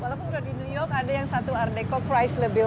walaupun di new york ada yang satu art dekor price lebih